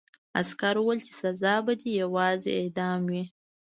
عسکر وویل چې سزا به دې یوازې اعدام وي